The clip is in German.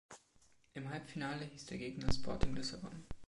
Im Halbfinale hieß der Gegner Sporting Lissabon.